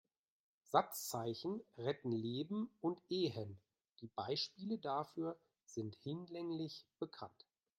Satzzeichen retten Leben und Ehen, die Beispiele dafür sind hinlänglich bekannt.